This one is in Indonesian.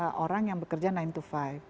ada orang yang bekerja sembilan to lima